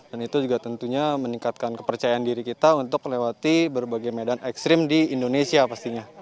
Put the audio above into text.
dan itu juga tentunya meningkatkan kepercayaan diri kita untuk lewati berbagai medan ekstrim di indonesia pastinya